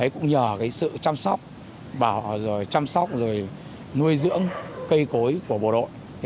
cũng nhờ sự chăm sóc bảo rồi chăm sóc rồi nuôi dưỡng cây cối của bộ đội